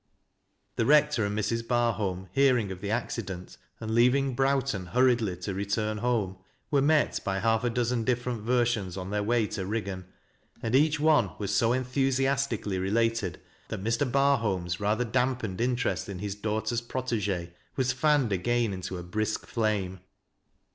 The rector and Mi s. Barholm, hearing of the accident, and leaving Browton hurriedly to return home, were met l/y half a dozen different versions on their way to Biggaa and each one was so enthusiastically related that Mi . Bur WAfCHINQ AND WAITING. 239 holm's rather darnpeLed interest iu his daugLter s prot^gci was fanned again into a brisk flame.